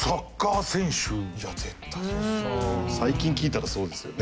最近聞いたらそうですよね。